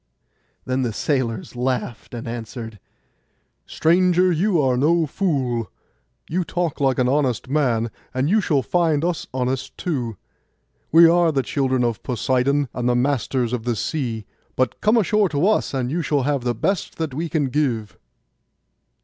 Then the sailors laughed, and answered, 'Stranger, you are no fool; you talk like an honest man, and you shall find us honest too. We are the children of Poseidon, and the masters of the sea; but come ashore to us, and you shall have the best that we can give.